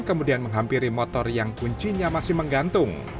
kemudian menghampiri motor yang kuncinya masih menggantung